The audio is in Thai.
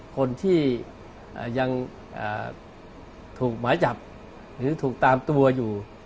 คนที่ยังถูกหมายจับหรือถูกตามตัวอยู่